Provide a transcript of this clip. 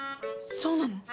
そうなの？